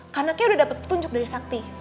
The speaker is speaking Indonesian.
karena kay udah dapet petunjuk dari sakti